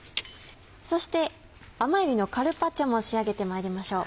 そして甘えびのカルパッチョも仕上げてまいりましょう。